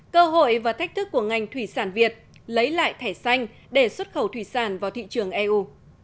cơ hội và thách thức của ngành thủy sản việt lấy lại thẻ xanh để xuất khẩu thủy sản vào thị trường eu